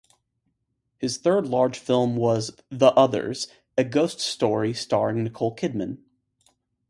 His third large film was "The Others", a ghost story starring Nicole Kidman.